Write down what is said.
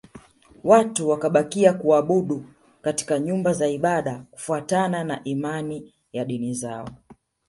Watu wakabakia kuabudu katika nyumba za ibada kufuatana na imani ya dini zao